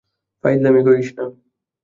ফাইজলামি করিস না!